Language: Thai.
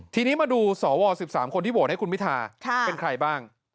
ทีนี้มาดูสว๑๓คนที่โหวตให้คุณพิทาเป็นใครบ้าง